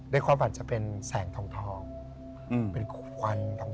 ด้วยความฝันจะเป็นแสงทองเป็นควันทอง